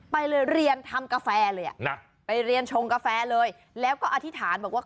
ไปเลยเรียนทำกาแฟเลยอ่ะนะไปเรียนชงกาแฟเลยแล้วก็อธิษฐานบอกว่า